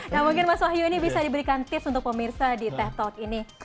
nah mungkin mas wahyu ini bisa diberikan tips untuk pemirsa di teh talk ini